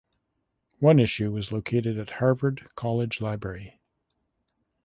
One issue is located at Harvard College Library.